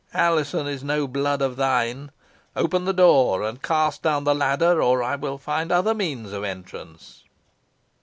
"Alizon is no blood of thine. Open the door and cast down the ladder, or I will find other means of entrance."